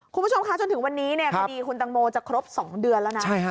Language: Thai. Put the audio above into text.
คุณผู้ชมคะจนถึงวันนี้เนี่ยคดีคุณตังโมจะครบ๒เดือนแล้วนะ